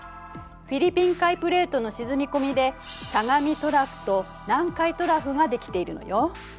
フィリピン海プレートの沈み込みで「相模トラフ」と「南海トラフ」ができているのよ。